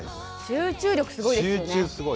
集中力すごいですよね。